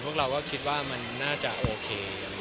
พวกเราก็คิดว่ามันน่าจะโอเค